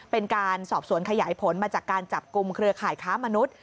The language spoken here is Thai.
เป็นการสอบสวนขยายผลมาจากการจับกลุ่มเครือข่ายค้ามนุษย์